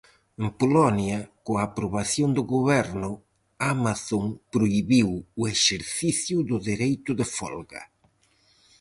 En Polonia, coa aprobación do Goberno, Amazon prohibiu o exercicio do dereito de folga.